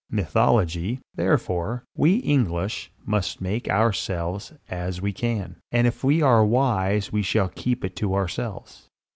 Mythology, therefore, we English must make for ourselves as we can; and if we are wise we shall keep it to ourselves.